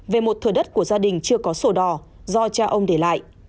về một thừa đất của gia đình chưa có sổ đỏ do cha ông để lại